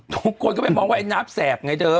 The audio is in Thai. ทุกคนก็ไปมองว่าไอ้น้ำแสบไงเธอ